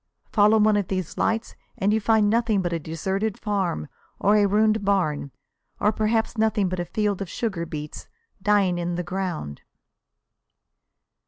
Follow one of these lights and you find nothing but a deserted farm, or a ruined barn, or perhaps nothing but a field of sugar beets dying in the ground.